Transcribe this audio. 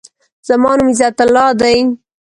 زما نوم عزت الله دی.